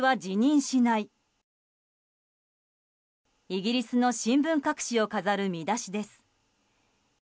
イギリスの新聞各紙を飾る見出しです。